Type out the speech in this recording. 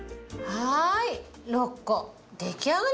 はい。